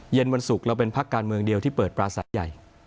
วันศุกร์เราเป็นพักการเมืองเดียวที่เปิดปราศัยใหญ่